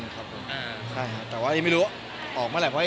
ข้อความรู้ไม่เช็ท